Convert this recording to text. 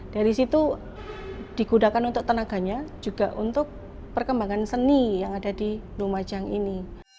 dari situ digunakan untuk tenaganya juga untuk perkembangan seni yang ada di lumajang ini